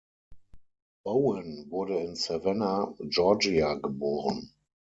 Bowen wurde in Savannah, Georgia geboren.